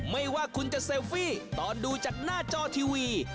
ไม่ว่าคุณจะเซลฟี่ตอนดูจากหน้าจอทีวี